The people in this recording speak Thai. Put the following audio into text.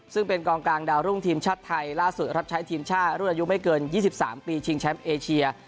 ซึ่งเป็นกองกลางดาวรุ่งทีมชาติไทยล่าสุดรับใช้ทีมชาติรุ่นอายุไม่เกิน๒๓ปีชิงแชมป์เอเชีย